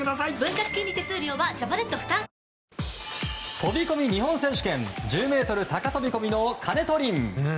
飛込日本選手権１０ｍ高飛込の金戸凜。